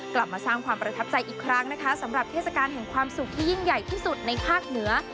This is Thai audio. กลับมาสร้างความประทับใจอีกครั้งนะคะสำหรับเทศกาลแห่งความสุขที่ยิ่งใหญ่ที่สุดในภาคเหนือ